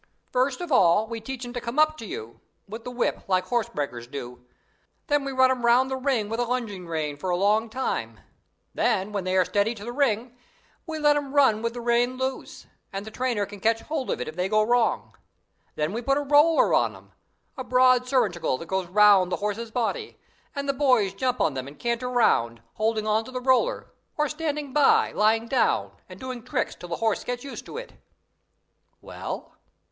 "First of all we teach them to come up to you, with the whip, like horsebreakers do. Then we run them round the ring with a lunging rein for a long time; then, when they are steady to the ring, we let them run with the rein loose, and the trainer can catch hold of it if they go wrong. Then we put a roller on them a broad surcingle that goes round the horse's body and the boys jump on them and canter round, holding on to the roller, or standing up, lying down, and doing tricks till the horse gets used to it." "Well?"